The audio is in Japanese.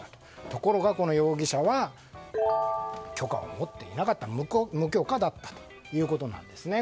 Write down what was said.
ところが、この容疑者は許可を持っていなかった無許可だったということなんですね。